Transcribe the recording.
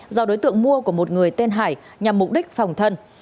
do đối tượng mua của một người tên hải nhằm mục đích phòng thân